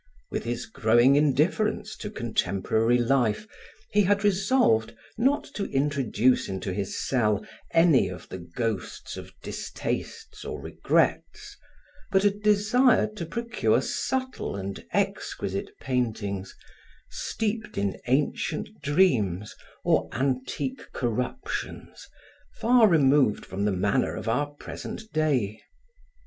With his growing indifference to contemporary life he had resolved not to introduce into his cell any of the ghosts of distastes or regrets, but had desired to procure subtle and exquisite paintings, steeped in ancient dreams or antique corruptions, far removed from the manner of our present day.